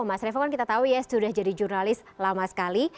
mas revo kan kita tahu ya sudah jadi jurnalis lama sekali